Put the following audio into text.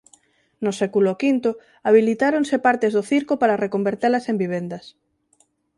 No século V habilitáronse partes do circo para reconvertelas en vivendas.